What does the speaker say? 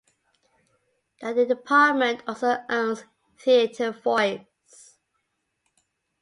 The department also owns TheatreVoice.